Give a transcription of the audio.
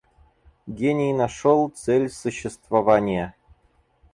Гений нашел цель существования.